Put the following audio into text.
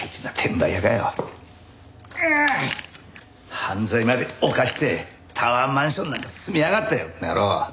犯罪まで犯してタワーマンションなんか住みやがってこの野郎。